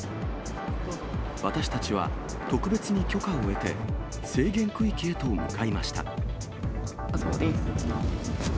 私たちは、特別に許可を得て、制限区域へと向かいました。